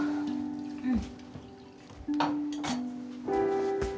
うん。